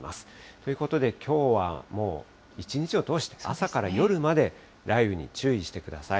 ということできょうは、もう一日を通して、朝から夜まで雷雨に注意してください。